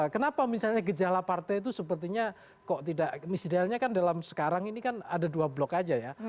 kenapa misalnya gejala partai itu sepertinya kok tidak misalnya kan dalam sekarang ini kan ada dua blok aja ya